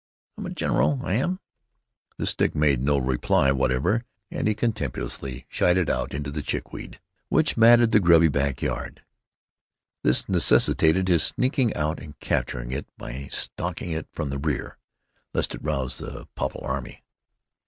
I'm a gen'ral, I am." The stick made no reply whatever, and he contemptuously shied it out into the chickweed which matted the grubby back yard. This necessitated his sneaking out and capturing it by stalking it from the rear, lest it rouse the Popple Army.